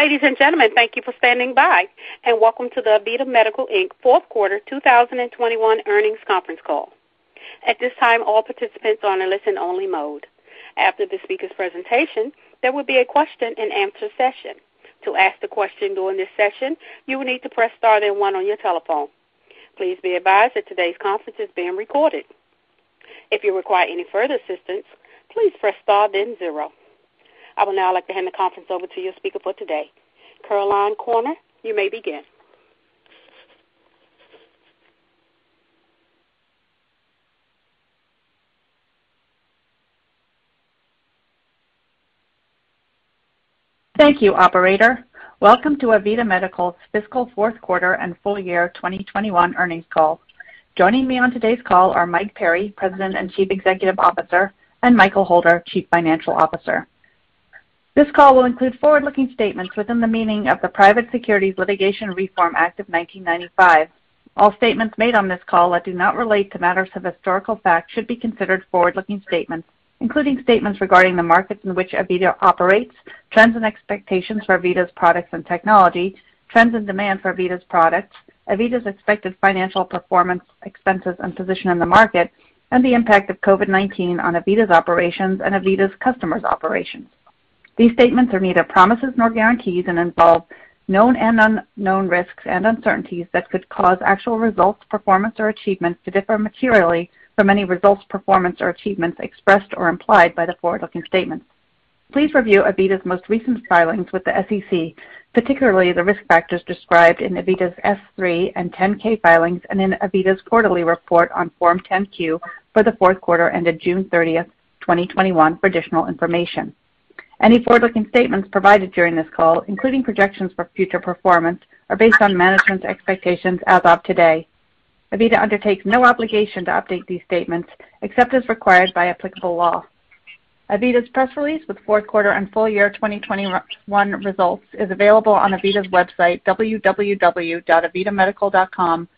Ladies and gentlemen, thank you for standing by, and welcome to the AVITA Medical Inc Fourth Quarter 2021 Earnings Conference Call. At this time, all participants are in listen-only mode. After the speaker's presentation, there will be a question-and-answer session. To ask a question during the session, you will need to press star then one on your telephone. Please be advised that today's conference is being recorded. If you required any further assistance, please press star then zero. I will now let the conference over to your speaker today. Caroline Corner, you may begin. Thank you, operator. Welcome to AVITA Medical's Fiscal Fourth Quarter and Full Year 2021 Earnings Call. Joining me on today's call are Mike Perry, President and Chief Executive Officer, and Michael Holder, Chief Financial Officer. This call will include forward-looking statements within the meaning of the Private Securities Litigation Reform Act of 1995. All statements made on this call that do not relate to matters of historical fact should be considered forward-looking statements, including statements regarding the markets in which AVITA operates, trends and expectations for AVITA's products and technology, trends and demand for AVITA's products, AVITA's expected financial performance, expenses, and position in the market, and the impact of COVID-19 on AVITA's operations and AVITA's customers' operations. These statements are neither promises nor guarantees and involve known and unknown risks and uncertainties that could cause actual results, performance, or achievements to differ materially from any results, performance, or achievements expressed or implied by the forward-looking statements. Please review AVITA's most recent filings with the SEC, particularly the risk factors described in AVITA's S-3 and 10-K filings and in AVITA's quarterly report on Form 10-Q for the fourth quarter ended June 30th, 2021, for additional information. Any forward-looking statements provided during this call, including projections for future performance, are based on management's expectations as of today. AVITA undertakes no obligation to update these statements except as required by applicable law. AVITA's press release with fourth quarter and full year 2021 results is available on AVITA's website, www.avitamedical.com,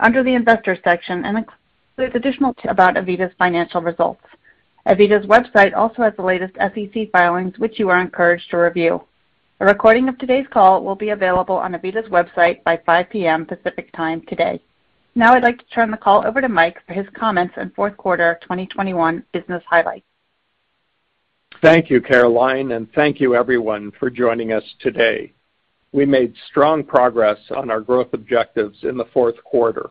under the investor section and includes additional about AVITA's financial results. AVITA's website also has the latest SEC filings, which you are encouraged to review. A recording of today's call will be available on AVITA's website by 5:00 P.M. Pacific Time today. Now I'd like to turn the call over to Mike for his comments on fourth quarter 2021 business highlights. Thank you, Caroline, and thank you everyone for joining us today. We made strong progress on our growth objectives in the fourth quarter.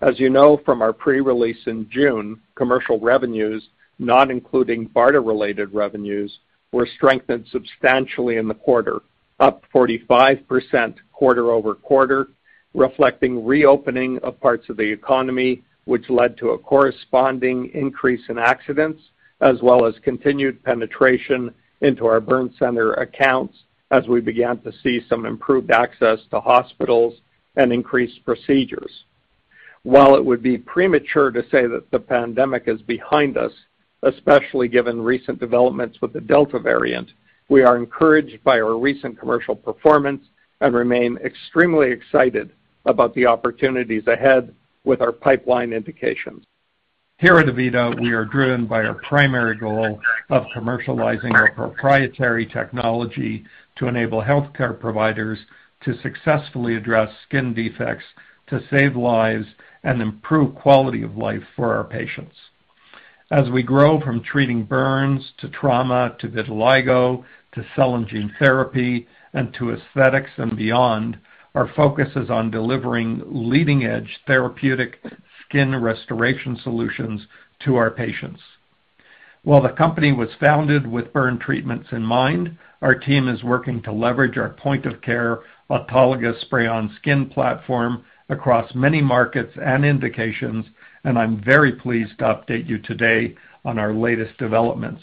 As you know from our pre-release in June, commercial revenues, not including BARDA-related revenues, were strengthened substantially in the quarter, up 45% quarter-over-quarter, reflecting reopening of parts of the economy, which led to a corresponding increase in accidents as well as continued penetration into our burn center accounts as we began to see some improved access to hospitals and increased procedures. While it would be premature to say that the pandemic is behind us, especially given recent developments with the Delta variant, we are encouraged by our recent commercial performance and remain extremely excited about the opportunities ahead with our pipeline indications. Here at AVITA, we are driven by our primary goal of commercializing our proprietary technology to enable healthcare providers to successfully address skin defects to save lives and improve quality of life for our patients. As we grow from treating burns to trauma to vitiligo to cell and gene therapy and to aesthetics and beyond, our focus is on delivering leading-edge therapeutic skin restoration solutions to our patients. While the company was founded with burn treatments in mind, our team is working to leverage our point-of-care autologous spray-on skin platform across many markets and indications, and I'm very pleased to update you today on our latest developments.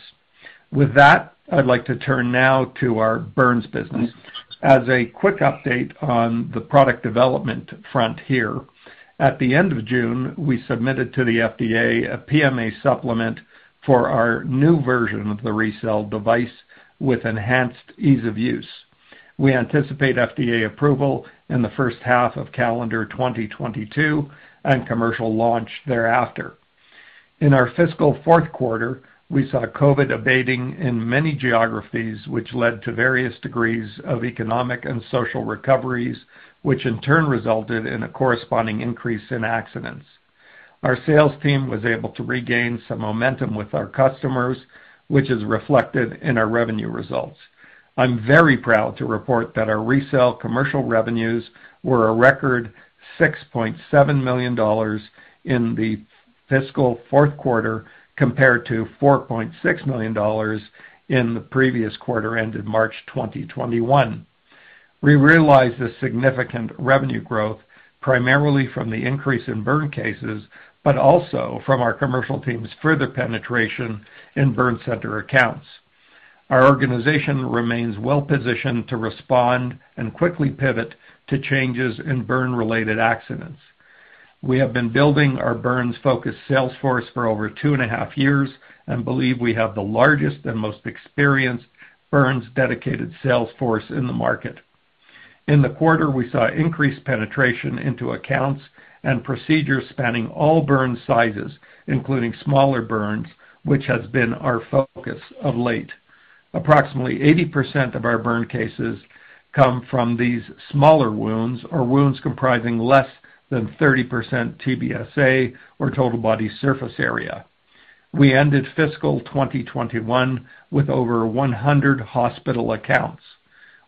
With that, I'd like to turn now to our burns business. As a quick update on the product development front here, at the end of June, we submitted to the FDA a PMA supplement for our new version of the RECELL device with enhanced ease of use. We anticipate FDA approval in the first half of calendar 2022 and commercial launch thereafter. In our fiscal fourth quarter, we saw COVID abating in many geographies, which led to various degrees of economic and social recoveries, which in turn resulted in a corresponding increase in accidents. Our sales team was able to regain some momentum with our customers, which is reflected in our revenue results. I'm very proud to report that our RECELL commercial revenues were a record $6.7 million in the fiscal fourth quarter compared to $4.6 million in the previous quarter ended March 2021. We realized this significant revenue growth primarily from the increase in burn cases, but also from our commercial team's further penetration in burn center accounts. Our organization remains well-positioned to respond and quickly pivot to changes in burn-related accidents. We have been building our burns-focused sales force for over 2.5 years and believe we have the largest and most experienced burns dedicated sales force in the market. In the quarter, we saw increased penetration into accounts and procedures spanning all burn sizes, including smaller burns, which has been our focus of late. Approximately 80% of our burn cases come from these smaller wounds, or wounds comprising less than 30% TBSA, or total body surface area. We ended fiscal 2021 with over 100 hospital accounts.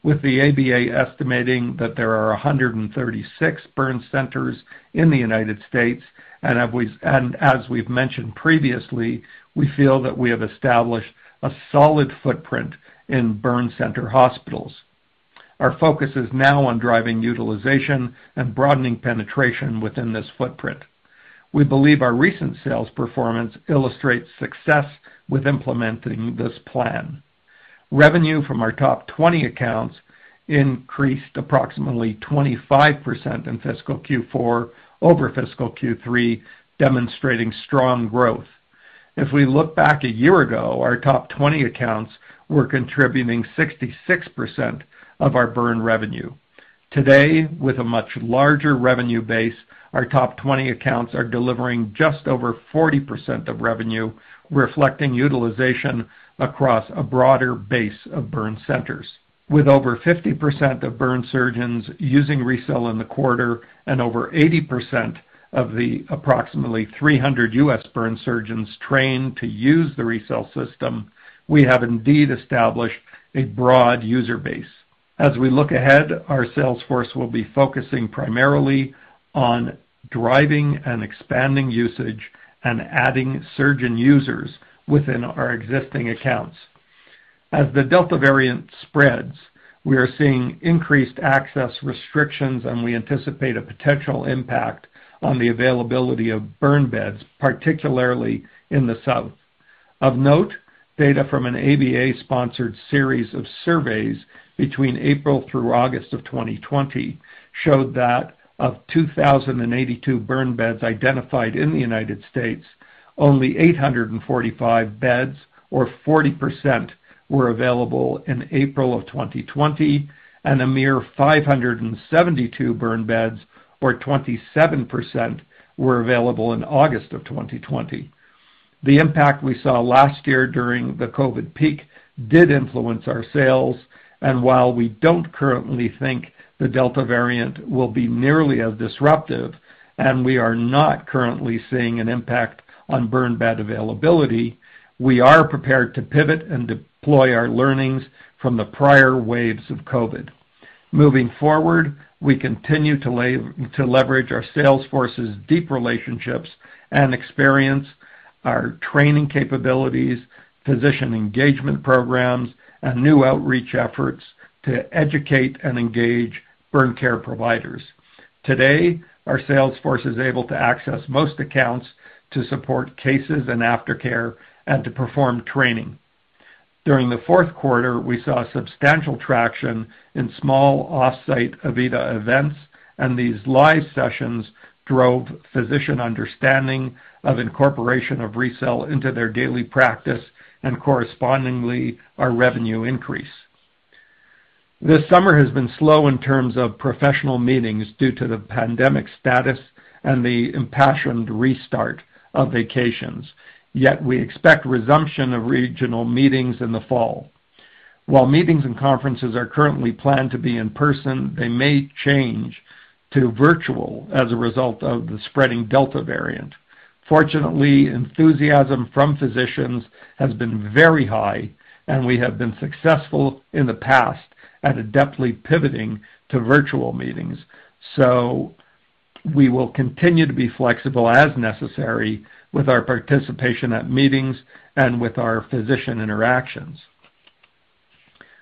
With the ABA estimating that there are 136 burn centers in the United States, and as we've mentioned previously, we feel that we have established a solid footprint in burn center hospitals. Our focus is now on driving utilization and broadening penetration within this footprint. We believe our recent sales performance illustrates success with implementing this plan. Revenue from our top 20 accounts increased approximately 25% in fiscal Q4 over fiscal Q3, demonstrating strong growth. If we look back a year ago, our top 20 accounts were contributing 66% of our burn revenue. Today, with a much larger revenue base, our top 20 accounts are delivering just over 40% of revenue, reflecting utilization across a broader base of burn centers. With over 50% of burn surgeons using RECELL in the quarter and over 80% of the approximately 300 U.S. burn surgeons trained to use the RECELL system, we have indeed established a broad user base. As we look ahead, our sales force will be focusing primarily on driving and expanding usage and adding surgeon users within our existing accounts. As the Delta variant spreads, we are seeing increased access restrictions. We anticipate a potential impact on the availability of burn beds, particularly in the South. Of note, data from an ABA-sponsored series of surveys between April through August of 2020 showed that of 2,082 burn beds identified in the United States, only 845 beds, or 40%, were available in April of 2020. A mere 572 burn beds, or 27%, were available in August of 2020. The impact we saw last year during the COVID peak did influence our sales, and while we don't currently think the Delta variant will be nearly as disruptive, and we are not currently seeing an impact on burn bed availability, we are prepared to pivot and deploy our learnings from the prior waves of COVID. Moving forward, we continue to leverage our sales force's deep relationships and experience, our training capabilities, physician engagement programs, and new outreach efforts to educate and engage burn care providers. Today, our sales force is able to access most accounts to support cases and aftercare and to perform training. During the fourth quarter, we saw substantial traction in small off-site AVITA events, and these live sessions drove physician understanding of incorporation of RECELL into their daily practice and correspondingly, our revenue increase. This summer has been slow in terms of professional meetings due to the pandemic status and the impassioned restart of vacations. We expect resumption of regional meetings in the fall. Meetings and conferences are currently planned to be in person, they may change to virtual as a result of the spreading Delta variant. Fortunately, enthusiasm from physicians has been very high, and we have been successful in the past at adeptly pivoting to virtual meetings. We will continue to be flexible as necessary with our participation at meetings and with our physician interactions.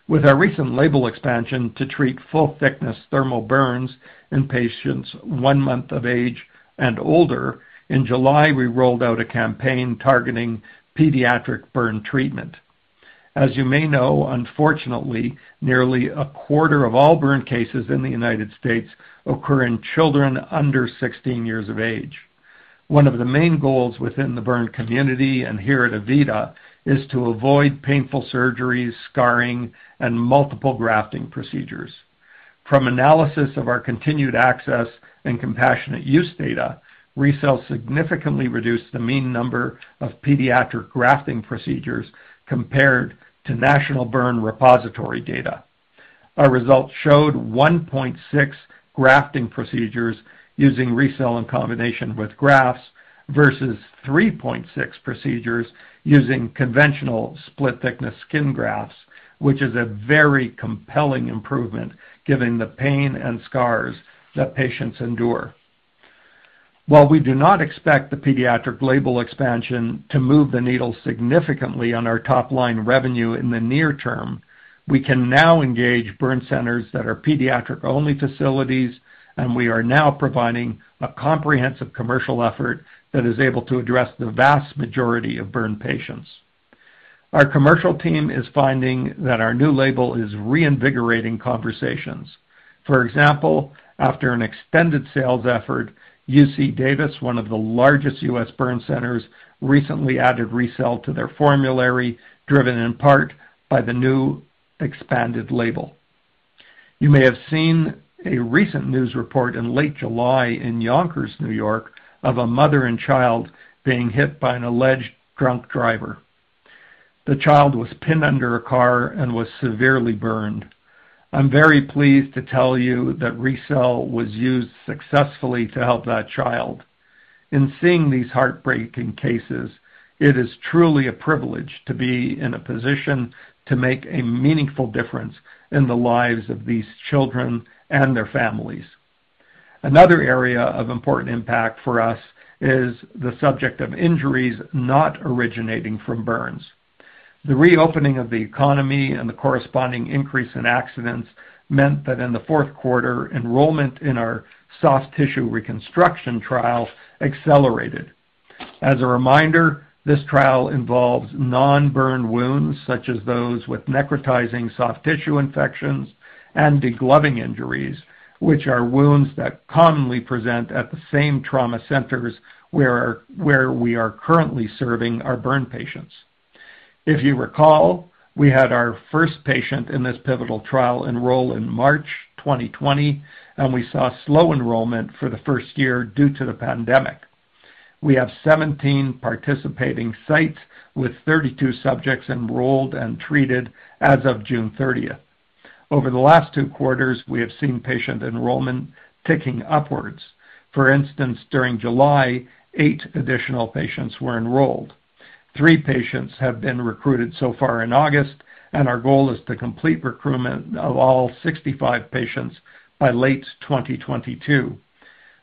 With our recent label expansion to treat full-thickness thermal burns in patients one month of age and older, in July, we rolled out a campaign targeting pediatric burn treatment. As you may know, unfortunately, nearly a quarter of all burn cases in the United States occur in children under 16 years of age. One of the main goals within the burn community and here at AVITA is to avoid painful surgeries, scarring, and multiple grafting procedures. From analysis of our continued access and compassionate use data, RECELL significantly reduced the mean number of pediatric grafting procedures compared to National Burn Repository data. Our results showed 1.6 grafting procedures using RECELL in combination with grafts versus 3.6 procedures using conventional split-thickness skin grafts, which is a very compelling improvement given the pain and scars that patients endure. While we do not expect the pediatric label expansion to move the needle significantly on our top-line revenue in the near term, we can now engage burn centers that are pediatric-only facilities, and we are now providing a comprehensive commercial effort that is able to address the vast majority of burn patients. Our commercial team is finding that our new label is reinvigorating conversations. For example, after an extended sales effort, UC Davis, one of the largest U.S. burn centers, recently added RECELL to their formulary, driven in part by the new expanded label. You may have seen a recent news report in late July in Yonkers, New York, of a mother and child being hit by an alleged drunk driver. The child was pinned under a car and was severely burned. I'm very pleased to tell you that RECELL was used successfully to help that child. In seeing these heartbreaking cases, it is truly a privilege to be in a position to make a meaningful difference in the lives of these children and their families. Another area of important impact for us is the subject of injuries not originating from burns. The reopening of the economy and the corresponding increase in accidents meant that in the fourth quarter, enrollment in our soft tissue reconstruction trial accelerated. As a reminder, this trial involves non-burn wounds, such as those with necrotizing soft tissue infections and degloving injuries, which are wounds that commonly present at the same trauma centers where we are currently serving our burn patients. If you recall, we had our first patient in this pivotal trial enroll in March 2020, and we saw slow enrollment for the first year due to the pandemic. We have 17 participating sites with 32 subjects enrolled and treated as of June 30th. Over the last two quarters, we have seen patient enrollment ticking upwards. For instance, during July, eight additional patients were enrolled. Three patients have been recruited so far in August. Our goal is to complete recruitment of all 65 patients by late 2022.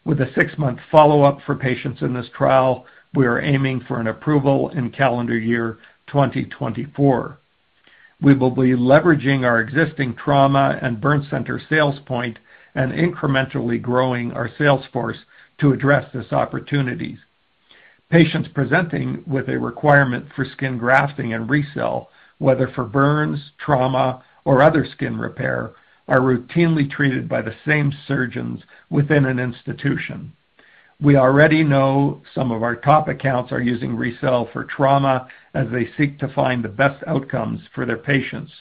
With a six-month follow-up for patients in this trial, we are aiming for an approval in calendar year 2024. We will be leveraging our existing trauma and burn center sales point and incrementally growing our sales force to address this opportunity. Patients presenting with a requirement for skin grafting and RECELL, whether for burns, trauma, or other skin repair, are routinely treated by the same surgeons within an institution. We already know some of our top accounts are using RECELL for trauma as they seek to find the best outcomes for their patients.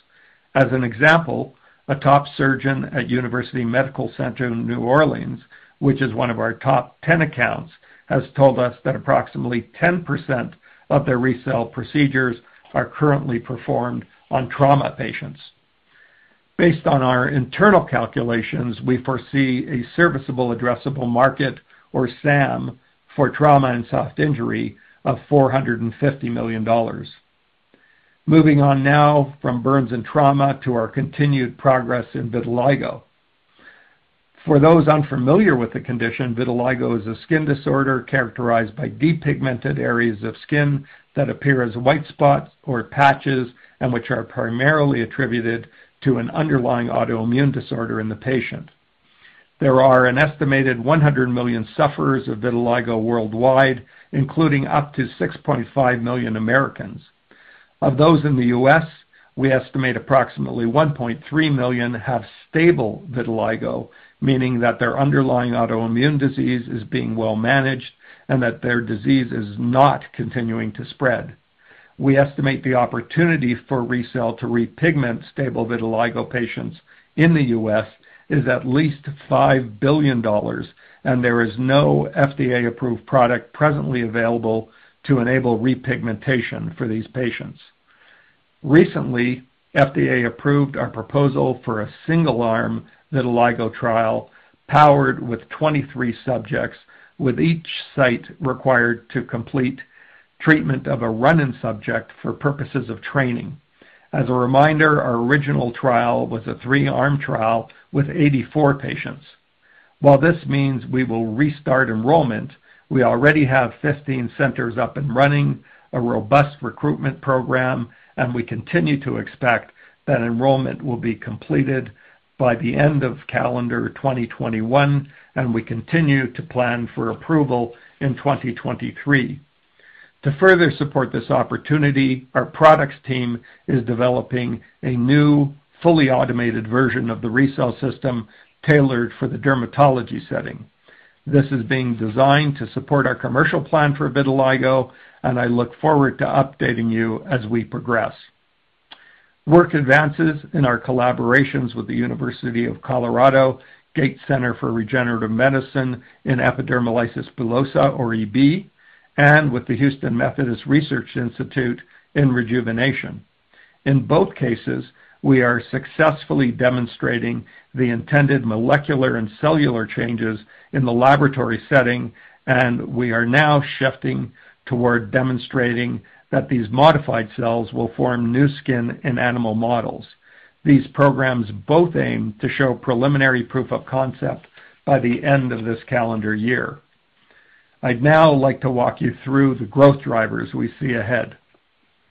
As an example, a top surgeon at University Medical Center New Orleans, which is one of our top 10 accounts, has told us that approximately 10% of their RECELL procedures are currently performed on trauma patients. Based on our internal calculations, we foresee a serviceable addressable market, or SAM, for trauma and soft injury of $450 million. Moving on now from burns and trauma to our continued progress in vitiligo. For those unfamiliar with the condition, vitiligo is a skin disorder characterized by depigmented areas of skin that appear as white spots or patches, and which are primarily attributed to an underlying autoimmune disorder in the patient. There are an estimated 100 million sufferers of vitiligo worldwide, including up to 6.5 million Americans. Of those in the U.S., we estimate approximately 1.3 million have stable vitiligo, meaning that their underlying autoimmune disease is being well managed and that their disease is not continuing to spread. We estimate the opportunity for RECELL to repigment stable vitiligo patients in the U.S. is at least $5 billion, and there is no FDA-approved product presently available to enable repigmentation for these patients. Recently, FDA approved our proposal for a single-arm vitiligo trial powered with 23 subjects, with each site required to complete treatment of a run-in subject for purposes of training. As a reminder, our original trial was a three-arm trial with 84 patients. While this means we will restart enrollment, we already have 15 centers up and running, a robust recruitment program, and we continue to expect that enrollment will be completed by the end of calendar 2021, and we continue to plan for approval in 2023. To further support this opportunity, our products team is developing a new, fully automated version of the RECELL System tailored for the dermatology setting. This is being designed to support our commercial plan for vitiligo, and I look forward to updating you as we progress. Work advances in our collaborations with the University of Colorado Gates Center for Regenerative Medicine in epidermolysis bullosa, or EB, and with the Houston Methodist Research Institute in rejuvenation. In both cases, we are successfully demonstrating the intended molecular and cellular changes in the laboratory setting, and we are now shifting toward demonstrating that these modified cells will form new skin in animal models. These programs both aim to show preliminary proof of concept by the end of this calendar year. I'd now like to walk you through the growth drivers we see ahead.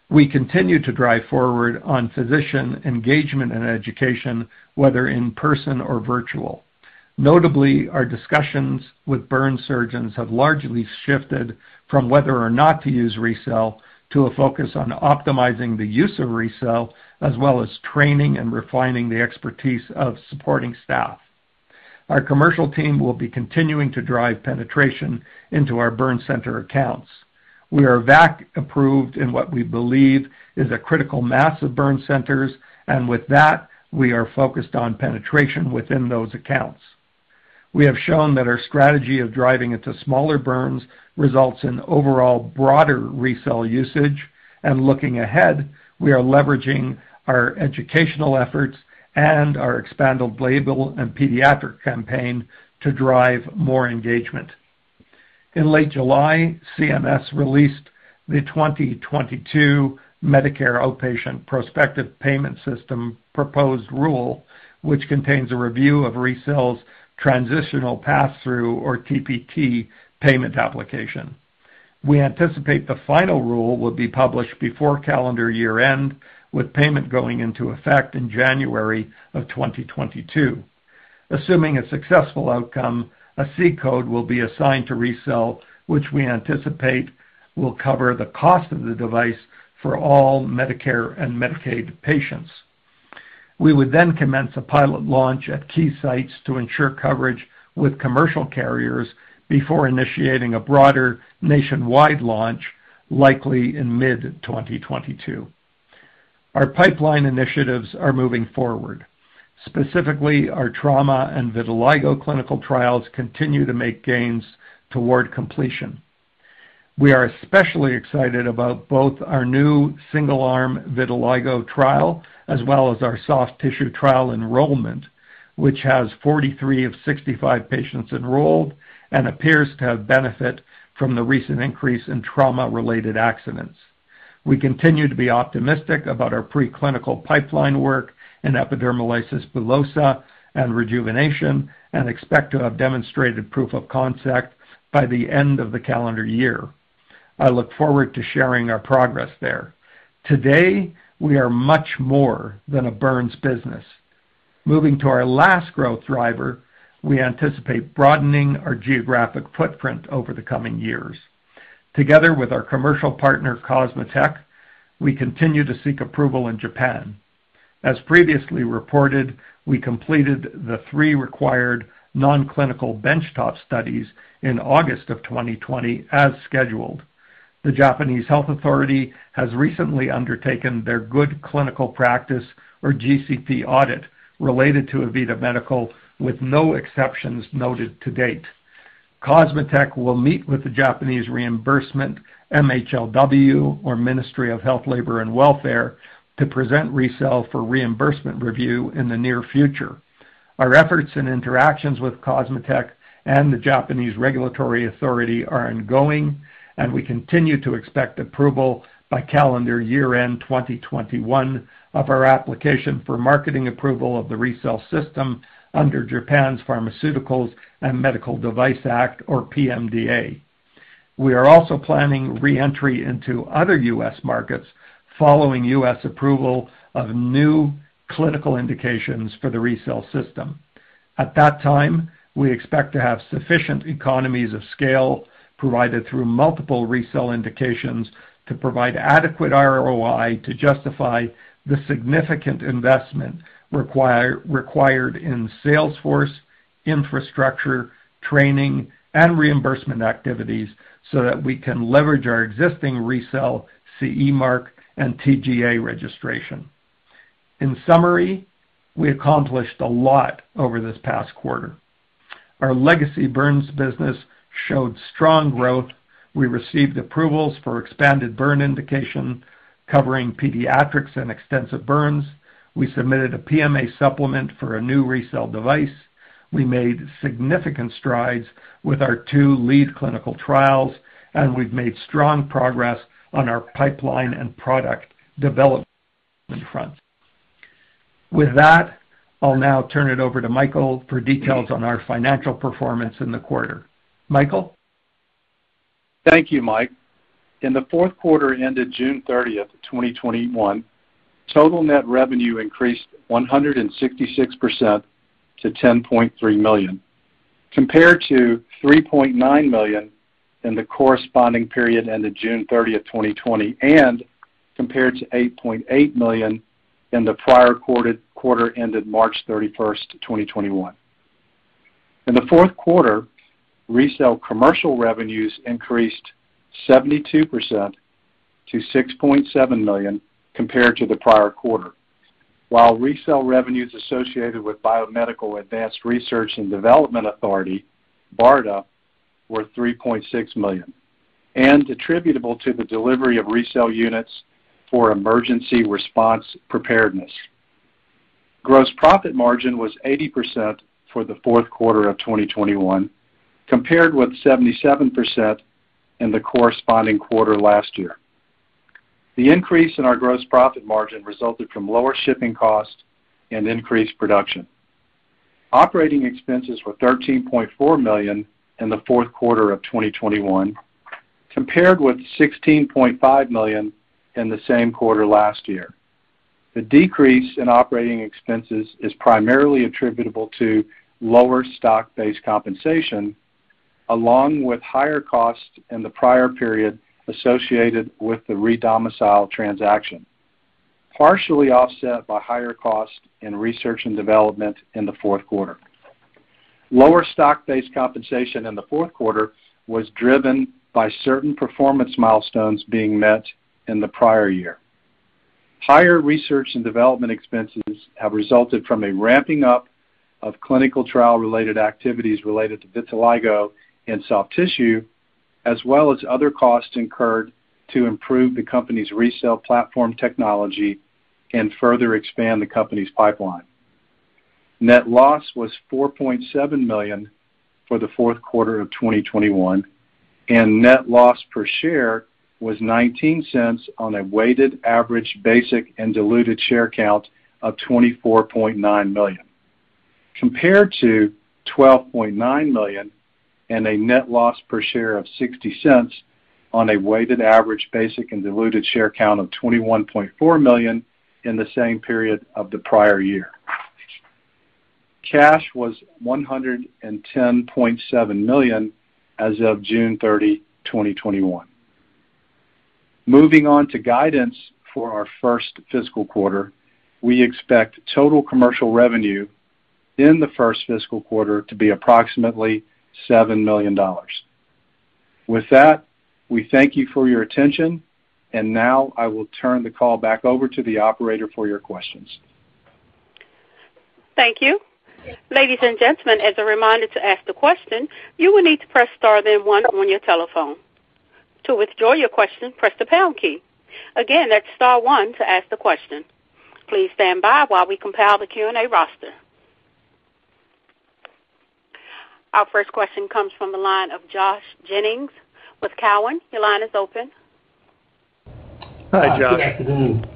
We continue to drive forward on physician engagement and education, whether in person or virtual. Notably, our discussions with burn surgeons have largely shifted from whether or not to use RECELL, to a focus on optimizing the use of RECELL, as well as training and refining the expertise of supporting staff. Our commercial team will be continuing to drive penetration into our burn center accounts. We are VAC-approved in what we believe is a critical mass of burn centers. With that, we are focused on penetration within those accounts. We have shown that our strategy of driving into smaller burns results in overall broader RECELL usage. Looking ahead, we are leveraging our educational efforts and our expanded label and pediatric campaign to drive more engagement. In late July, CMS released the 2022 Medicare Outpatient Prospective Payment System proposed rule, which contains a review of RECELL's transitional pass-through, or TPT, payment application. We anticipate the final rule will be published before calendar year-end, with payment going into effect in January of 2022. Assuming a successful outcome, a C-code will be assigned to RECELL, which we anticipate will cover the cost of the device for all Medicare and Medicaid patients. We would commence a pilot launch at key sites to ensure coverage with commercial carriers before initiating a broader nationwide launch, likely in mid-2022. Our pipeline initiatives are moving forward, specifically our trauma and vitiligo clinical trials continue to make gains toward completion. We are especially excited about both our new single-arm vitiligo trial, as well as our soft tissue trial enrollment, which has 43 of 65 patients enrolled and appears to have benefit from the recent increase in trauma-related accidents. We continue to be optimistic about our preclinical pipeline work in epidermolysis bullosa and rejuvenation, and expect to have demonstrated proof of concept by the end of the calendar year. I look forward to sharing our progress there. Today, we are much more than a burns business. Moving to our last growth driver, we anticipate broadening our geographic footprint over the coming years. Together with our commercial partner COSMOTEC, we continue to seek approval in Japan. As previously reported, we completed the three required non-clinical benchtop studies in August of 2020 as scheduled. The Japanese Health Authority has recently undertaken their Good Clinical Practice, or GCP, audit related to AVITA Medical, with no exceptions noted to date. COSMOTEC will meet with the Japanese reimbursement MHLW, or Ministry of Health, Labour and Welfare, to present RECELL for reimbursement review in the near future. Our efforts and interactions with COSMOTEC and the Japanese Regulatory Authority are ongoing, and we continue to expect approval by calendar year-end 2021 of our application for marketing approval of the RECELL system under Japan's Pharmaceuticals and Medical Devices Act, or PMDA. We are also planning re-entry into other U.S. markets following U.S. approval of new clinical indications for the RECELL system. At that time, we expect to have sufficient economies of scale provided through multiple RECELL indications to provide adequate ROI to justify the significant investment required in sales force, infrastructure, training, and reimbursement activities so that we can leverage our existing RECELL CE mark and TGA registration. In summary, we accomplished a lot over this past quarter. Our legacy burns business showed strong growth. We received approvals for expanded burn indication covering pediatrics and extensive burns. We submitted a PMA supplement for a new RECELL device. We made significant strides with our two lead clinical trials, and we've made strong progress on our pipeline and product development front. With that, I'll now turn it over to Michael for details on our financial performance in the quarter. Michael? Thank you, Mike. In the fourth quarter ended June 30th, 2021, total net revenue increased 166% to $10.3 million, compared to $3.9 million in the corresponding period ended June 30th, 2020, and compared to $8.8 million in the prior quarter ended March 31st, 2021. In the fourth quarter, RECELL commercial revenues increased 72% to $6.7 million compared to the prior quarter. While RECELL revenues associated with Biomedical Advanced Research and Development Authority, BARDA, were $3.6 million, and attributable to the delivery of RECELL units for emergency response preparedness. Gross profit margin was 80% for the fourth quarter of 2021, compared with 77% in the corresponding quarter last year. The increase in our gross profit margin resulted from lower shipping costs and increased production. Operating expenses were $13.4 million in the fourth quarter of 2021, compared with $16.5 million in the same quarter last year. The decrease in operating expenses is primarily attributable to lower stock-based compensation, along with higher costs in the prior period associated with the re-domicile transaction, partially offset by higher costs in research and development in the fourth quarter. Lower stock-based compensation in the fourth quarter was driven by certain performance milestones being met in the prior year. Higher research and development expenses have resulted from a ramping up of clinical trial-related activities related to vitiligo and soft tissue, as well as other costs incurred to improve the company's RECELL platform technology and further expand the company's pipeline. Net loss was $4.7 million for the fourth quarter of 2021, and net loss per share was $0.19 on a weighted average basic and diluted share count of 24.9 million, compared to $12.9 million and a net loss per share of $0.60 on a weighted average basic and diluted share count of 21.4 million in the same period of the prior year. Cash was $110.7 million as of June 30, 2021. Moving on to guidance for our first fiscal quarter, we expect total commercial revenue in the first fiscal quarter to be approximately $7 million. With that, we thank you for your attention, and now I will turn the call back over to the operator for your questions. Thank you. Ladies and gentlemen, as a reminder to ask the question, you will need to press star then one on your telephone. To withdraw your question, press the pound key. Again, that's star one to ask the question. Please stand by while we compile the Q&A roster. Our first question comes from the line of Josh Jennings with Cowen. Your line is open. Hi, Josh. Good afternoon.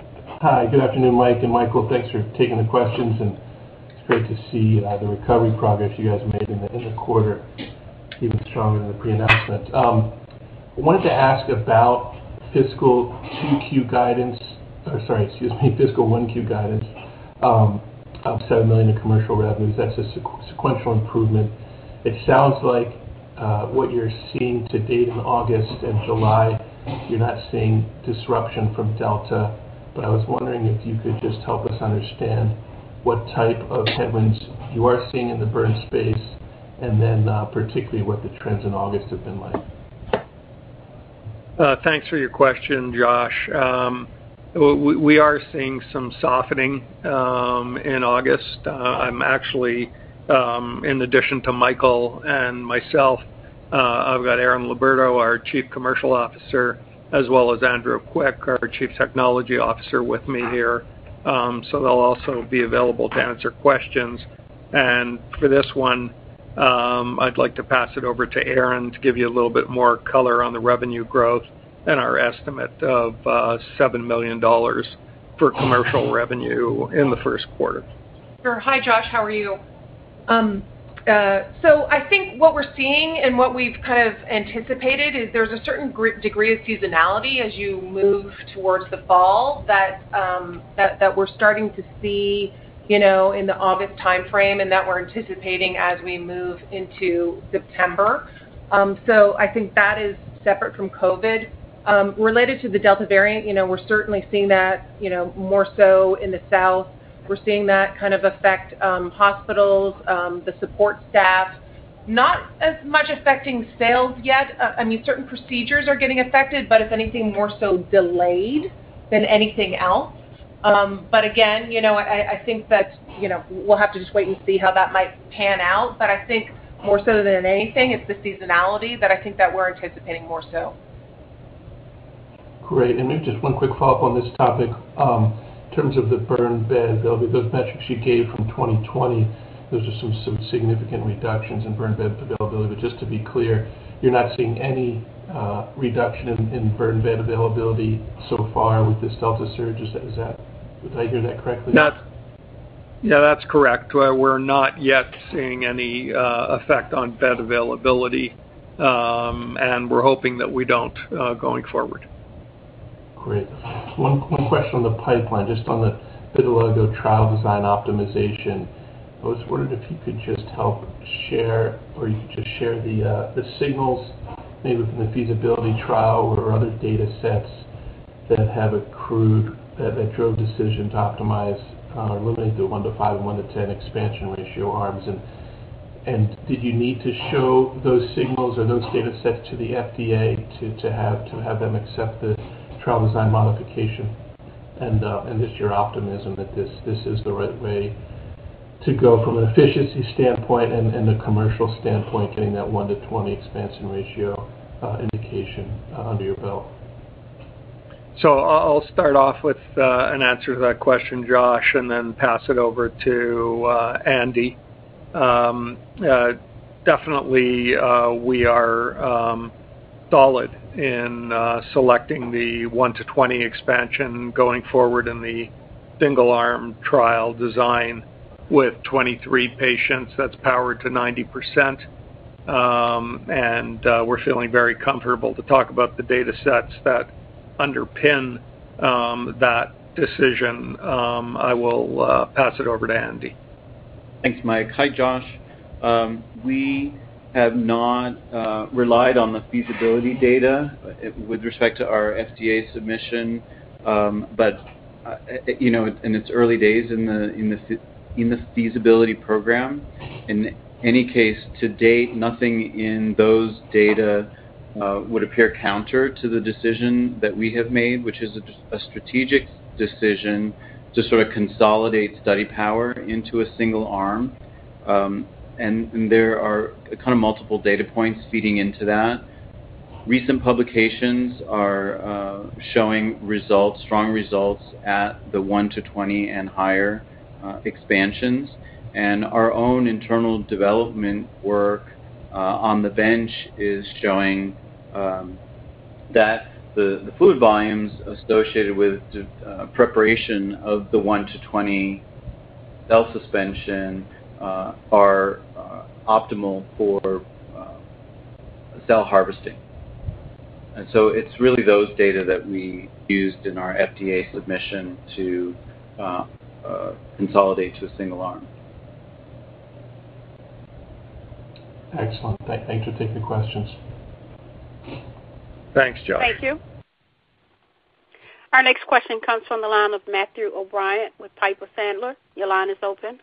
Hi. Good afternoon, Mike and Michael. Thanks for taking the questions. It's great to see the recovery progress you guys made in the quarter, even stronger than the pre-announcement. I wanted to ask about fiscal 2Q guidance. Fiscal 1Q guidance of $7 million in commercial revenues. That's a sequential improvement. It sounds like what you're seeing to date in August and July, you're not seeing disruption from Delta. I was wondering if you could just help us understand what type of headwinds you are seeing in the burn space, particularly what the trends in August have been like. Thanks for your question, Josh. We are seeing some softening in August. I'm actually, in addition to Michael and myself, I've got Erin Liberto, our Chief Commercial Officer, as well as Andrew Quick, our Chief Technology Officer, with me here. They'll also be available to answer questions. For this one, I'd like to pass it over to Erin to give you a little bit more color on the revenue growth and our estimate of $7 million for commercial revenue in the first quarter. Sure. Hi, Josh. How are you? I think what we're seeing and what we've kind of anticipated is there's a certain degree of seasonality as you move towards the fall that we're starting to see in the August timeframe and that we're anticipating as we move into September. I think that is separate from COVID. Related to the Delta variant, we're certainly seeing that more so in the South. We're seeing that kind of affect hospitals, the support staff. Not as much affecting sales yet. Certain procedures are getting affected, but if anything, more so delayed than anything else. Again, I think that we'll have to just wait and see how that might pan out. I think more so than anything, it's the seasonality that I think that we're anticipating more so. Great. Maybe just one quick follow-up on this topic. In terms of the burn bed availability, those metrics you gave from 2020, those are some significant reductions in burn bed availability. Just to be clear, you're not seeing any reduction in burn bed availability so far with this Delta surge. Did I hear that correctly? Yeah, that's correct. We're not yet seeing any effect on bed availability, and we're hoping that we don't going forward. Great. One question on the pipeline, just on the vitiligo trial design optimization. I was wondering if you could just help share, or you could just share the signals, maybe from the feasibility trial or other data sets that drove decision to optimize limiting the 1:5 and 1:10 expansion ratio arms. Did you need to show those signals or those data sets to the FDA to have them accept the trial design modification? Just your optimism that this is the right way to go from an efficiency standpoint and a commercial standpoint, getting that 1:20 expansion ratio indication under your belt. I'll start off with an answer to that question, Josh, and then pass it over to Andy. Definitely, we are solid in selecting the 1:20 expansion going forward in the single-arm trial design with 23 patients. That's powered to 90%, and we're feeling very comfortable to talk about the data sets that underpin that decision. I will pass it over to Andy. Thanks, Mike. Hi, Josh. We have not relied on the feasibility data with respect to our FDA submission, but in its early days in the feasibility program. In any case, to date, nothing in those data would appear counter to the decision that we have made, which is a strategic decision to sort of consolidate study power into a single arm. There are kind of multiple data points feeding into that. Recent publications are showing strong results at the 1:20 and higher expansions, and our own internal development work on the bench is showing that the fluid volumes associated with the preparation of the 1:20 cell suspension are optimal for cell harvesting. It's really those data that we used in our FDA submission to consolidate to a single arm. Excellent. Thanks for taking the questions. Thanks, Josh. Thank you. Our next question comes from the line of Matthew O'Brien with Piper Sandler. Your line is open.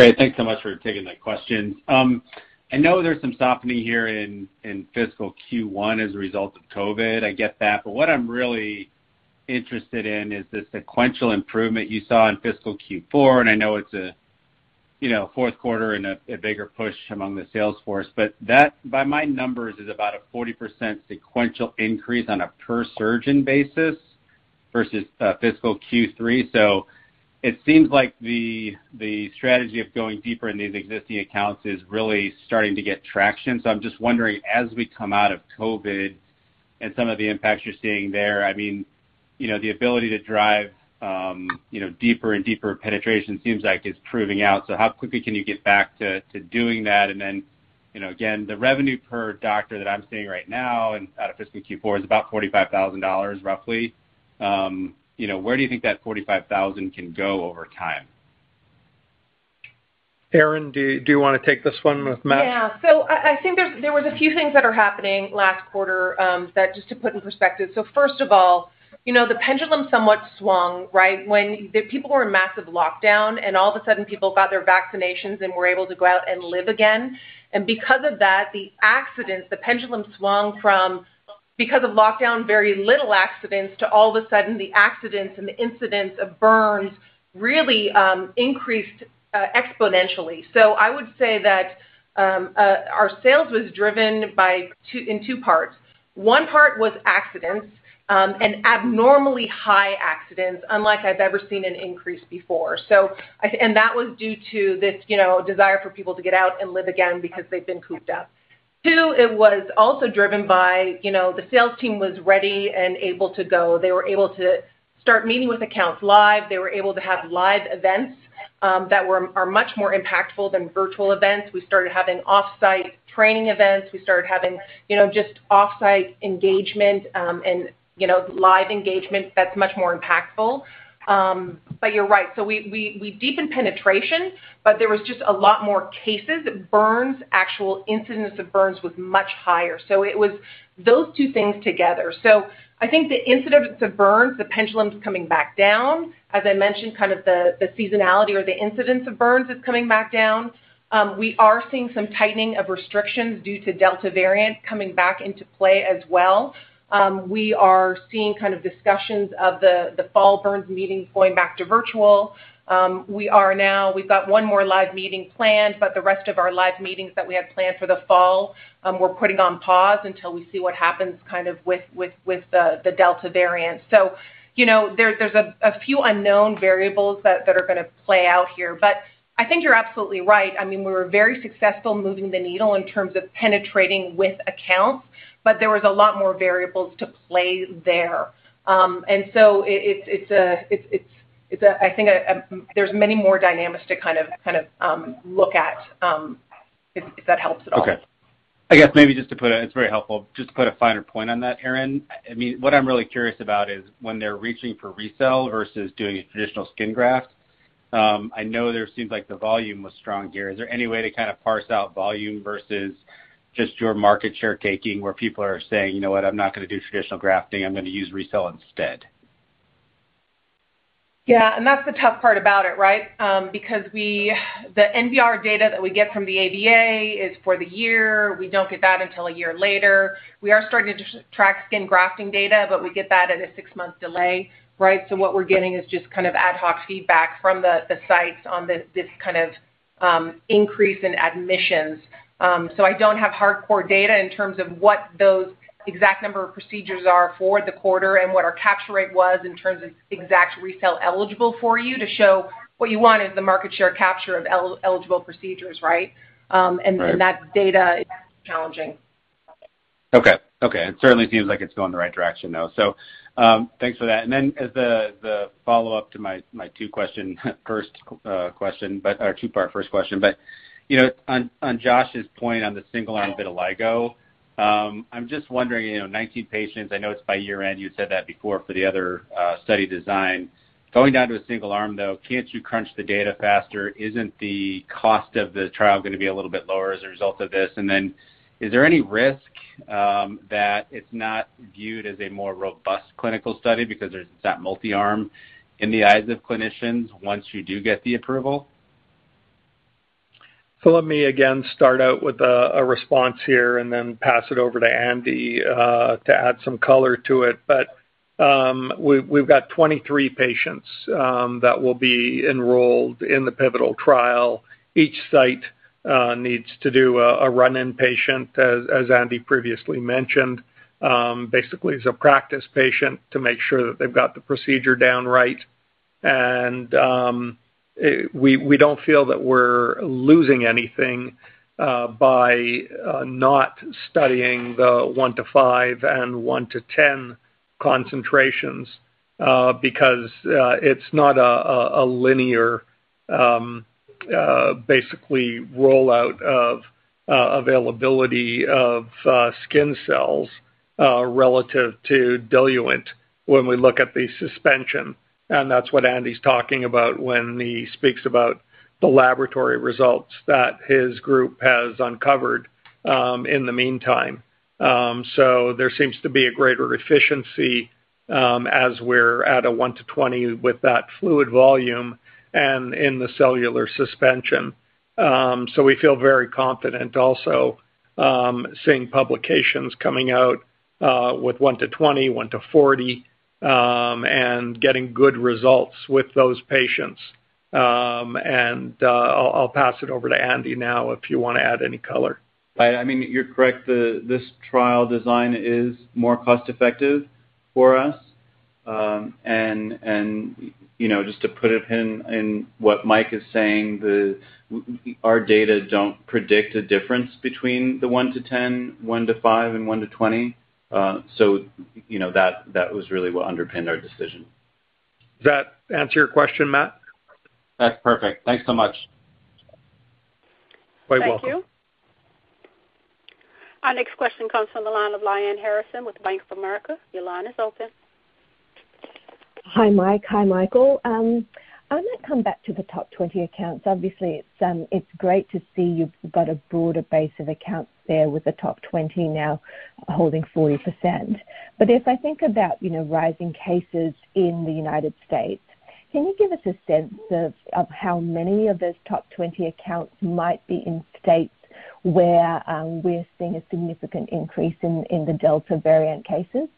Great. Thanks so much for taking that question. I know there's some softening here in fiscal Q1 as a result of COVID. I get that. What I'm really interested in is the sequential improvement you saw in fiscal Q4, and I know it's a fourth quarter and a bigger push among the sales force, but that, by my numbers, is about a 40% sequential increase on a per-surgeon basis versus fiscal Q3. It seems like the strategy of going deeper into these existing accounts is really starting to get traction. I'm just wondering, as we come out of COVID and some of the impacts you're seeing there, I mean, the ability to drive deeper and deeper penetration seems like it's proving out. How quickly can you get back to doing that? Again, the revenue per doctor that I'm seeing right now out of fiscal Q4 is about $45,000, roughly. Where do you think that $45,000 can go over time? Erin, do you want to take this one with Matt? Yeah. I think there was a few things that are happening last quarter that just to put in perspective. First of all, the pendulum somewhat swung. When the people were in massive lockdown, and all of a sudden, people got their vaccinations and were able to go out and live again. Because of that, the accidents, the pendulum swung from, because of lockdown, very little accidents to all of a sudden, the accidents and the incidents of burns really increased exponentially. I would say that our sales was driven in two parts. One part was accidents, and abnormally high accidents, unlike I've ever seen an increase before. That was due to this desire for people to get out and live again because they've been cooped up. Two, it was also driven by the sales team was ready and able to go. They were able to start meeting with accounts live. They were able to have live events that are much more impactful than virtual events. We started having off-site training events. We started having just off-site engagement and live engagement that's much more impactful. You're right. We deepened penetration, but there was just a lot more cases. Burns, actual incidents of burns was much higher. It was those two things together. I think the incidents of burns, the pendulum's coming back down. As I mentioned, kind of the seasonality or the incidence of burns is coming back down. We are seeing some tightening of restrictions due to Delta variant coming back into play as well. We are seeing kind of discussions of the fall burns meetings going back to virtual. We've got one more live meeting planned, but the rest of our live meetings that we had planned for the fall, we're putting on pause until we see what happens kind of with the Delta variant. There's a few unknown variables that are going to play out here, but I think you're absolutely right. I mean, we were very successful moving the needle in terms of penetrating with accounts, but there was a lot more variables to play there. I think there's many more dynamics to kind of look at, if that helps at all. Okay. I guess maybe just to, it's very helpful. Just to put a finer point on that, Erin. I mean, what I'm really curious about is when they're reaching for RECELL versus doing a traditional skin graft, I know there seems like the volume was strong here. Is there any way to kind of parse out volume versus just your market share taking where people are saying, "You know what, I'm not going to do traditional grafting, I'm going to use RECELL instead? That's the tough part about it. The NBR data that we get from the ABA is for the year. We don't get that until a year later. We are starting to track skin grafting data, we get that at a six-month delay. What we're getting is just kind of ad hoc feedback from the sites on this kind of increase in admissions. I don't have hardcore data in terms of what those exact number of procedures are for the quarter and what our capture rate was in terms of exact RECELL eligible for you to show what you want is the market share capture of eligible procedures, right? Right. That data is challenging. Okay. It certainly seems like it's going the right direction, though. So thanks for that. Then as the follow-up to my two question. First question, on Josh's point on the single-arm vitiligo, I'm just wondering, 19 patients, I know it's by year-end, you had said that before for the other study design. Going down to a single arm, though, can't you crunch the data faster? Isn't the cost of the trial going to be a little bit lower as a result of this? Then is there any risk that it's not viewed as a more robust clinical study because there's that multi-arm in the eyes of clinicians once you do get the approval? Let me, again, start out with a response here and then pass it over to Andy to add some color to it. We've got 23 patients that will be enrolled in the pivotal trial. Each site needs to do a run-in patient, as Andy previously mentioned. Basically, it's a practice patient to make sure that they've got the procedure down right. We don't feel that we're losing anything by not studying the 1:5 and 1:10 concentrations, because it's not a linear basically rollout of availability of skin cells relative to diluent when we look at the suspension. That's what Andy's talking about when he speaks about the laboratory results that his group has uncovered in the meantime. There seems to be a greater efficiency as we're at a 1:20 with that fluid volume and in the cellular suspension. We feel very confident also seeing publications coming out with 1:20, 1:40, and getting good results with those patients. I'll pass it over to Andy now if you want to add any color. You're correct. This trial design is more cost-effective for us. Just to put it in what Mike is saying, our data don't predict a difference between the 1:10, 1:5, and 1:20. That was really what underpinned our decision. Does that answer your question, Matt? That's perfect. Thanks so much. Quite welcome. Thank you. Our next question comes from the line of Lyanne Harrison with Bank of America. Your line is open. Hi, Mike. Hi, Michael. I want to come back to the top 20 accounts. Obviously, it's great to see you've got a broader base of accounts there with the top 20 now holding 40%. If I think about rising cases in the U.S., can you give us a sense of how many of those top 20 accounts might be in states where we're seeing a significant increase in the Delta variant cases?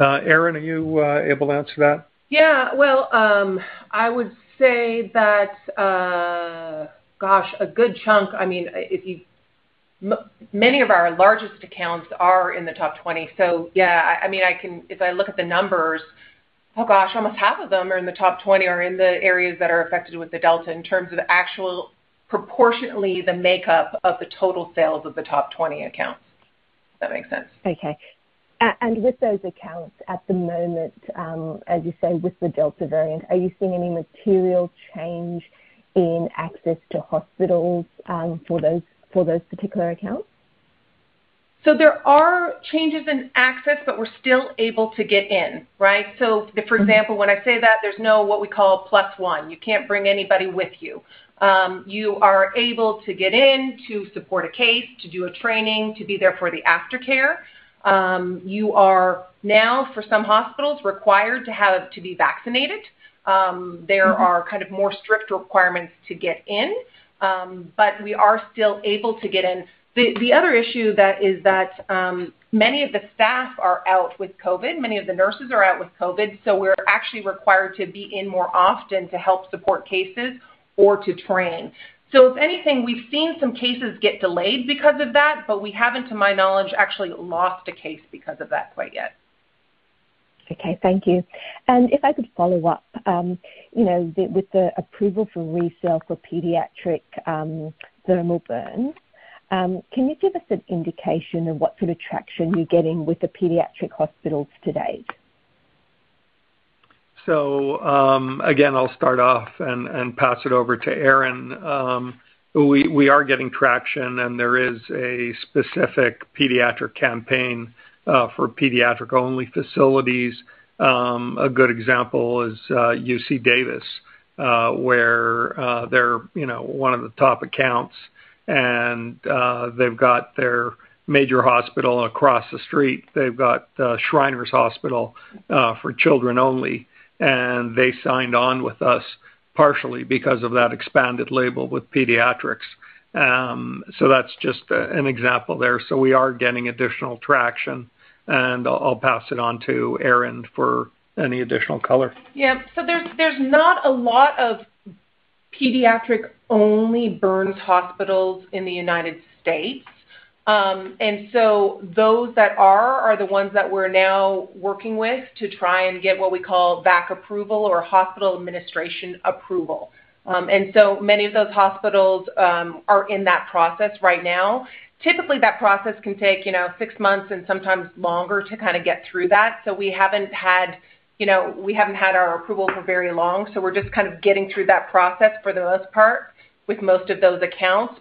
Erin, are you able to answer that? Well, I would say that, a good chunk. Many of our largest accounts are in the top 20. If I look at the numbers, almost half of them are in the top 20 are in the areas that are affected with the Delta in terms of actual, proportionately, the makeup of the total sales of the top 20 accounts. If that makes sense. Okay. With those accounts at the moment, as you say, with the Delta variant, are you seeing any material change in access to hospitals for those particular accounts? There are changes in access, but we're still able to get in. Right? For example, when I say that there's no what we call plus one. You can't bring anybody with you. You are able to get in to support a case, to do a training, to be there for the aftercare. You are now, for some hospitals, required to be vaccinated. There are more strict requirements to get in. We are still able to get in. The other issue is that many of the staff are out with COVID, many of the nurses are out with COVID, so we're actually required to be in more often to help support cases or to train. If anything, we've seen some cases get delayed because of that, but we haven't, to my knowledge, actually lost a case because of that quite yet. Okay. Thank you. If I could follow up. With the approval for RECELL for pediatric thermal burns, can you give us an indication of what sort of traction you're getting with the pediatric hospitals to date? Again, I'll start off and pass it over to Erin. We are getting traction, and there is a specific pediatric campaign for pediatric-only facilities. A good example is UC Davis, where they're one of the top accounts, and they've got their major hospital across the street. They've got Shriners Hospitals for Children only, and they signed on with us partially because of that expanded label with pediatrics. That's just an example there. We are getting additional traction, and I'll pass it on to Erin for any additional color. Yeah. There's not a lot of pediatric-only burns hospitals in the U.S. Those that are the ones that we're now working with to try and get what we call back approval or hospital administration approval. Many of those hospitals are in that process right now. Typically, that process can take six months and sometimes longer to kind of get through that. We haven't had our approval for very long, so we're just kind of getting through that process for the most part with most of those accounts.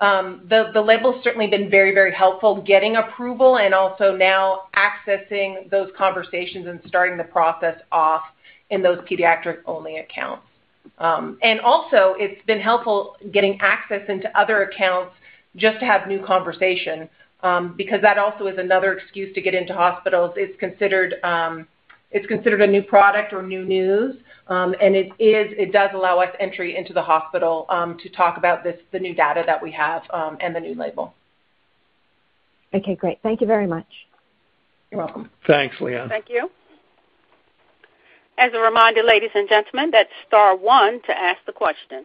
The label's certainly been very, very helpful getting approval and also now accessing those conversations and starting the process off in those pediatric-only accounts. It's been helpful getting access into other accounts just to have new conversations, because that also is another excuse to get into hospitals. It's considered a new product or new news. It is, it does allow us entry into the hospital, to talk about the new data that we have, and the new label. Okay, great. Thank you very much. You're welcome. Thanks, Lyanne. Thank you. As a reminder, ladies and gentlemen, that is star one to ask the question.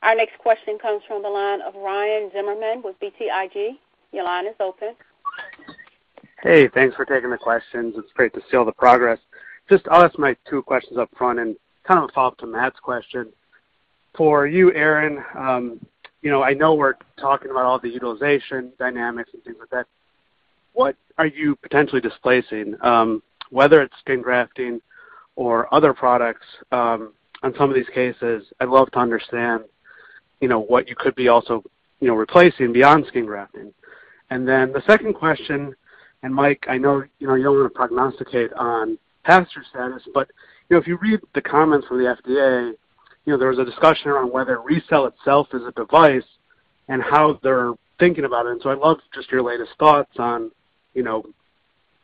Our next question comes from the line of Ryan Zimmerman with BTIG. Your line is open. Hey, thanks for taking the questions. It's great to see all the progress. Just I'll ask my two questions up front and kind of follow up to Matt's question. For you, Erin, I know we're talking about all the utilization dynamics and things like that. What are you potentially displacing? Whether it's skin grafting or other products, on some of these cases, I'd love to understand what you could be also replacing beyond skin grafting. The second question, Mike, I know you don't want to prognosticate on pass-through status, but if you read the comments from the FDA, there was a discussion around whether RECELL itself is a device and how they're thinking about it. I'd love just your latest thoughts on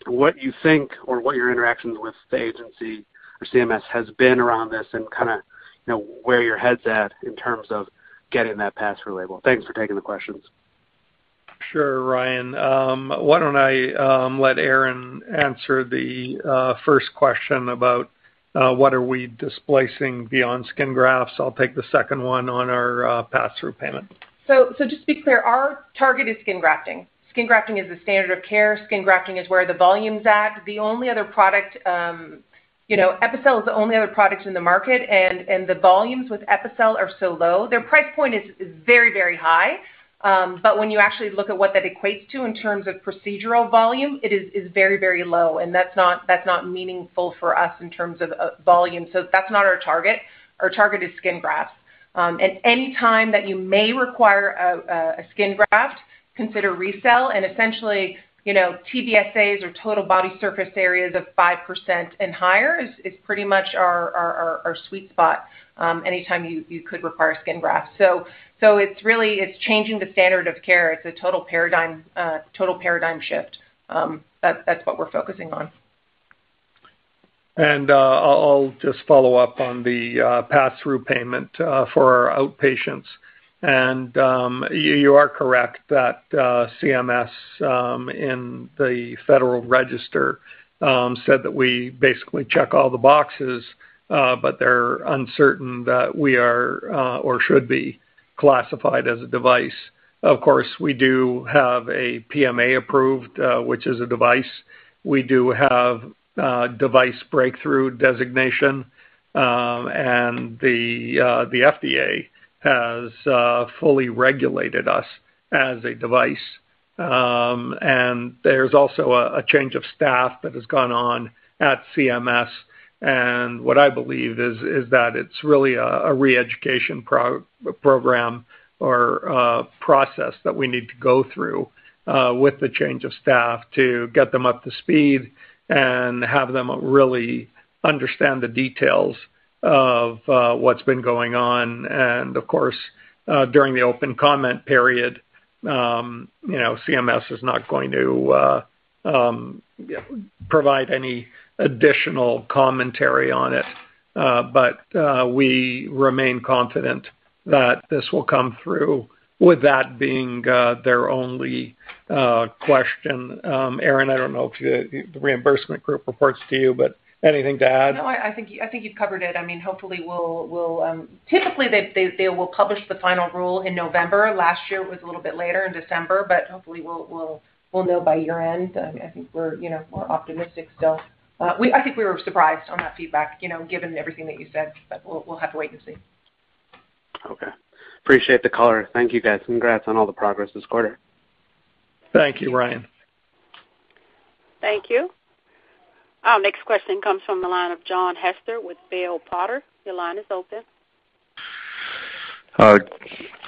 what you think or what your interactions with the agency or CMS has been around this and kind of where your head's at in terms of getting that pass-through label. Thanks for taking the questions. Sure, Ryan. Why don't I let Erin answer the first question about what are we displacing beyond skin grafts. I'll take the second one on our pass-through payment. Just to be clear, our target is skin grafting. Skin grafting is the standard of care. Skin grafting is where the volume's at. Epicel is the only other product in the market, and the volumes with Epicel are so low. Their price point is very, very high. When you actually look at what that equates to in terms of procedural volume, it is very, very low, and that's not meaningful for us in terms of volume. That's not our target. Our target is skin grafts. Any time that you may require a skin graft, consider RECELL, and essentially, TBSA or total body surface areas of 5% and higher is pretty much our sweet spot anytime you could require a skin graft. It's really changing the standard of care. It's a total paradigm shift. That's what we're focusing on. I'll just follow up on the pass-through payment for our outpatients. You are correct that CMS in the Federal Register said that we basically check all the boxes, but they're uncertain that we are or should be classified as a device. Of course, we do have a PMA approved, which is a device. We do have device breakthrough designation. The FDA has fully regulated us as a device. There's also a change of staff that has gone on at CMS, and what I believe is that it's really a reeducation program or process that we need to go through, with the change of staff to get them up to speed and have them really understand the details of what's been going on. Of course, during the open comment period, CMS is not going to provide any additional commentary on it. We remain confident that this will come through with that being their only question. Erin, I don't know if the reimbursement group reports to you, but anything to add? I think you've covered it. Typically, they will publish the final rule in November. Last year it was a little bit later in December, hopefully we'll know by year-end. I think we're optimistic still. I think we were surprised on that feedback, given everything that you said. We'll have to wait and see. Okay. Appreciate the color. Thank you, guys. Congrats on all the progress this quarter. Thank you, Ryan. Thank you. Our next question comes from the line of John Hester with Bell Potter Your line is open.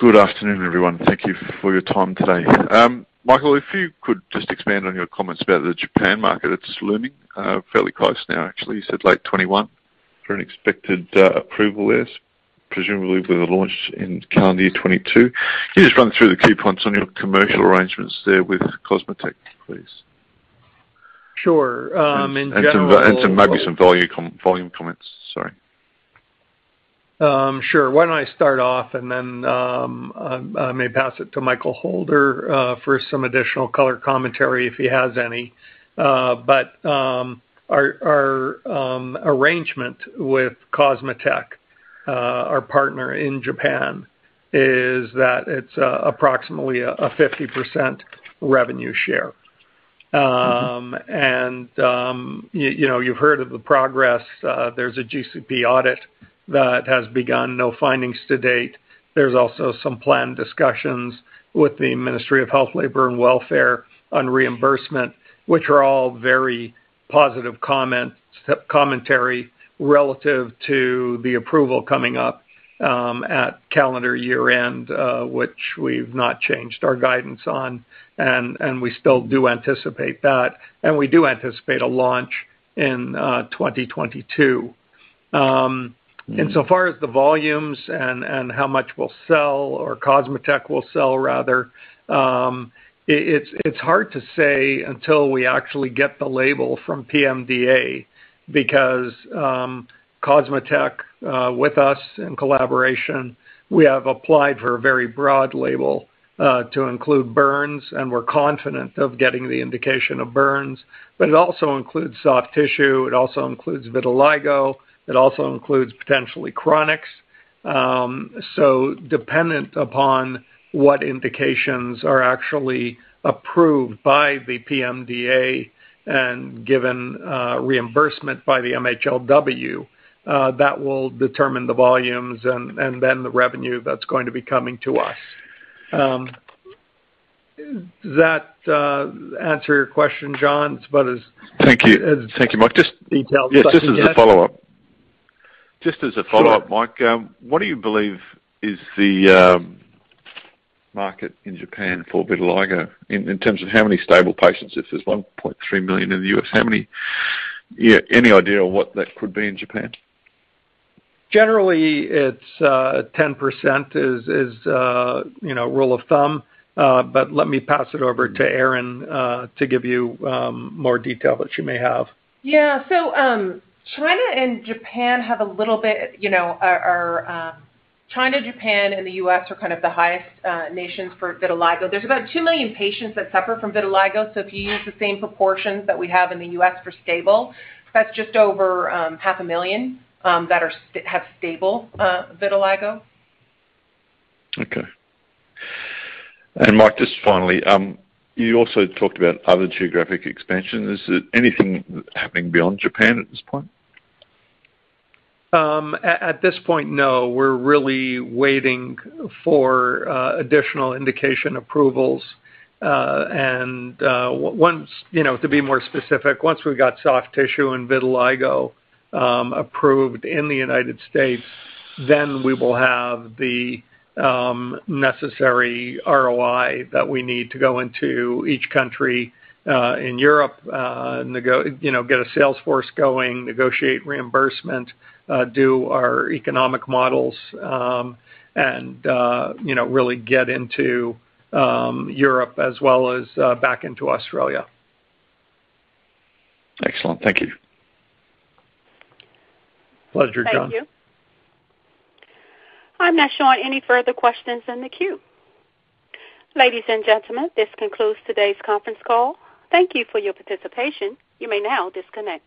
Good afternoon, everyone. Thank you for your time today. Michael, if you could just expand on your comments about the Japan market. It's looming fairly close now, actually. You said late 2021 for an expected approval there, presumably with a launch in calendar 2022. Can you just run through the key points on your commercial arrangements there with COSMOTEC, please? Sure. Maybe some volume comments. Sorry. Sure. Why don't I start off and then I may pass it to Michael Holder for some additional color commentary if he has any. Our arrangement with COSMOTEC, our partner in Japan, is that it's approximately a 50% revenue share. You've heard of the progress. There's a GCP audit that has begun, no findings to date. There's also some planned discussions with the Ministry of Health, Labour, and Welfare on reimbursement, which are all very positive commentary relative to the approval coming up at calendar year-end, which we've not changed our guidance on, and we still do anticipate that. We do anticipate a launch in 2022. So far as the volumes and how much we'll sell, or COSMOTEC will sell rather, it's hard to say until we actually get the label from PMDA because COSMOTEC with us in collaboration, we have applied for a very broad label, to include burns, and we're confident of getting the indication of burns. It also includes soft tissue, it also includes vitiligo, it also includes potentially chronics. Dependent upon what indications are actually approved by the PMDA and given reimbursement by the MHLW, that will determine the volumes and then the revenue that's going to be coming to us. Does that answer your question, John? Thank you. Thank you, Mike. Detailed as I can get. Just as a follow-up. Sure Just as a follow-up, Mike. What do you believe is the market in Japan for vitiligo, in terms of how many stable patients, if there's 1.3 million in the U.S., any idea on what that could be in Japan? Generally, 10% is rule of thumb. Let me pass it over to Erin, to give you more detail that she may have. Yeah. China, Japan, and the U.S. are kind of the highest nations for vitiligo. There's about two million patients that suffer from vitiligo, so if you use the same proportions that we have in the U.S. for stable, that's just over half a million, that have stable vitiligo. Okay. Mike, just finally, you also talked about other geographic expansions. Is there anything happening beyond Japan at this point? At this point, no. We're really waiting for additional indication approvals. To be more specific, once we've got soft tissue and vitiligo approved in the United States, then we will have the necessary ROI that we need to go into each country in Europe, get a sales force going, negotiate reimbursement, do our economic models, and really get into Europe as well as back into Australia. Excellent. Thank you. Pleasure, John. Thank you. I'm not showing any further questions in the queue. Ladies and gentlemen, this concludes today's conference call. Thank you for your participation. You may now disconnect.